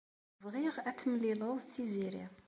Bɣiɣ ad temlileḍ Tiziri.